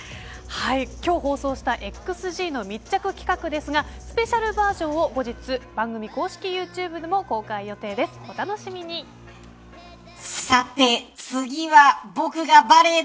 今日放送したＸＧの密着企画ですがスペシャルバージョンを後日番組公式ＹｏｕＴｕｂｅでも今日もスタジオにバボちゃん